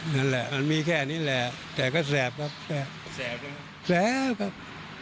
นั่นแหละมันมีแค่นี้แหละแต่ก็แสบครับแสบครับ